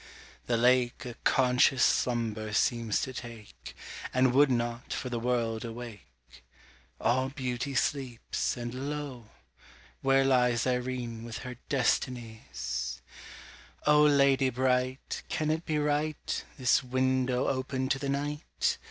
the lake A conscious slumber seems to take, And would not, for the world, awake. All Beauty sleeps! and lo! where lies Irene, with her Destinies! [Illustration: The Sleeper] O, lady bright! can it be right This window open to the night?